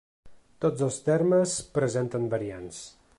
Tots dos termes presenten variants.